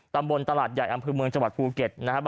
ตำบลตลาดใหญ่อำเภอเมืองจังหวัดภูเก็ตนะครับ